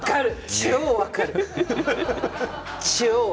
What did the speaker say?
超分かる。